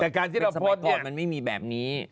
แต่การที่เราโพสต์ก่อนมันไม่มีแบบนี้